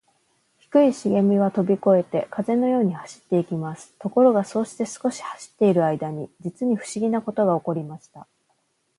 低いしげみはとびこえて、風のように走っていきます。ところが、そうして少し走っているあいだに、じつにふしぎなことがおこりました。